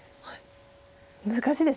難しいです。